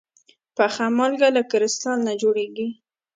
پخه مالګه له کريستال نه جوړېږي.